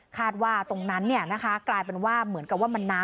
คาดว่าตรงนั้นเนี่ยนะคะกลายเป็นว่าเหมือนกับว่ามันน้ำ